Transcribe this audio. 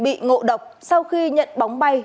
bị ngộ độc sau khi nhận bóng bay